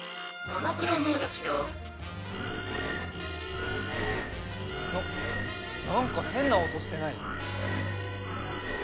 ななんかへんなおとしてない？